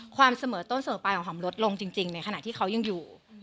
เสมอต้นเสมอปลายของหอมลดลงจริงในขณะที่เขายังอยู่